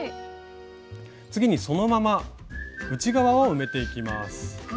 次にそのまま内側を埋めていきます。